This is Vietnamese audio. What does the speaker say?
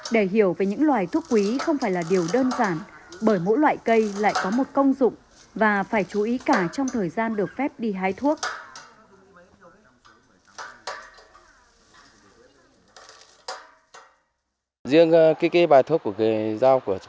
để hiểu về những loài thuốc quý không phải là điều đơn giản bởi mỗi loại cây lại có một công dụng và phải chú ý cả trong thời gian được phép đi hái thuốc